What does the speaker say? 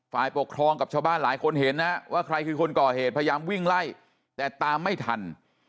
ฝ่ายปกครองกับชาวบ้านหลายคนเห็นนะว่าใครคือคนก่อเหตุพยายามวิ่งไล่แต่ตามไม่ทัน